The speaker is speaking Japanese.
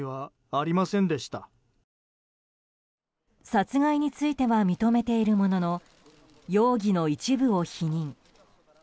殺害については認めているものの容疑の一部を否認。